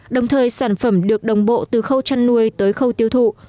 đồng thời sản phẩm được đồng bộ từ khâu chăn nuôi tới khâu tiêu thụ